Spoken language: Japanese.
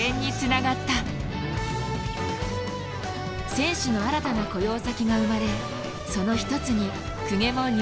選手の新たな雇用先が生まれその一つに公家も入社。